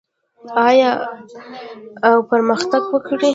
آیا او پرمختګ وکړي؟